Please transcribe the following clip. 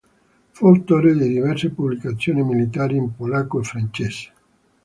Fu autore di diverse pubblicazioni militari in polacco e francese.